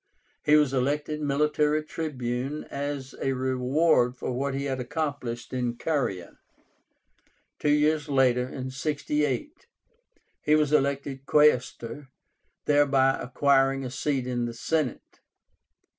He was elected Military Tribune as a reward for what he had accomplished in Caria. Two years later, in 68, he was elected Quaestor, thereby acquiring a seat in the Senate.